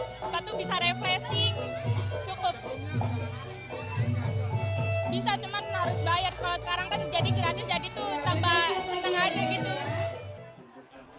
bisa cuma harus bayar kalau sekarang kan jadi gratis jadi itu tambah senang aja gitu